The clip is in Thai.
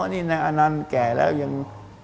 อ๋อนี่อันนั้นแก่แล้วยัง